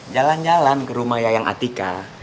jalan jalan ke rumah yang atika